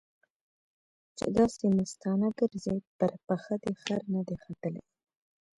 چې داسې مستانه ګرځې؛ پر پښه دې خر نه دی ختلی.